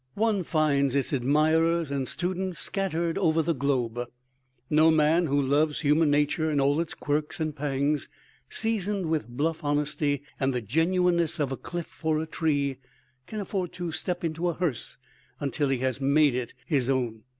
One finds its admirers and students scattered over the globe. No man who loves human nature in all its quirks and pangs, seasoned with bluff honesty and the genuineness of a cliff or a tree, can afford to step into a hearse until he has made it his own.